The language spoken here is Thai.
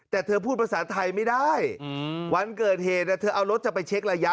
แต่เธอพูดภาษาไทยไม่ได้วันเกิดเหตุเธอเอารถจะไปเช็คระยะ